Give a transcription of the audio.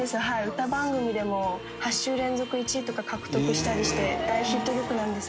「歌番組でも８週連続１位とか獲得したりして大ヒット曲なんです」